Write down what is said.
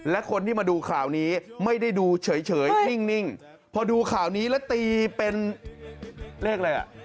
และคนที่มาดูข่าวนี้ไม่ได้ดูเฉยนิ่งพอดูข่าวนี้แล้วตีเป็นเลขอะไรอ่ะ